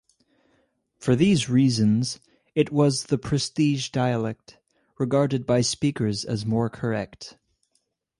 For these reasons, it was the prestige dialect, regarded by speakers as more correct.